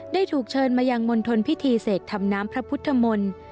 ได้ถูกเชิญมายังมณฑลพิธีเสกทำน้ำพระพุทธมนตร์